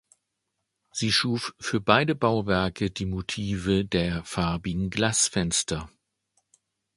Sie schuf für beide Bauwerke die Motive der farbigen Glasfenster.